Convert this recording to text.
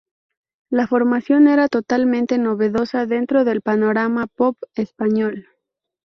La formación era totalmente novedosa dentro del panorama pop español.